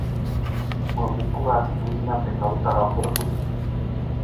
Mă bucură atitudinea precaută a raportului.